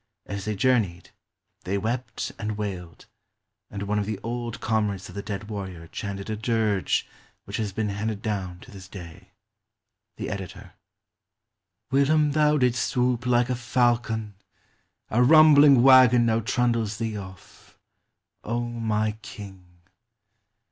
As they journeyed, they wept and wailed, and one of the old com rades of the dead warrior chanted a dirge which has been handed down to this day. The Editor.] Whilom thou didst swoop like a falcon, a rumbling wagon now trundles thee off, O my King!